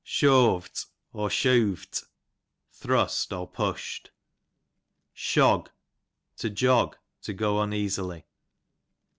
Shoavt, or Sheawvt, thrust, or pushed. Shog, to jog, to go uneasily.